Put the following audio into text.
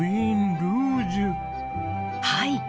はい。